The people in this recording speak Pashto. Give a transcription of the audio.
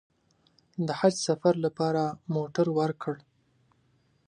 د حج سفر لپاره موټر ورکړ.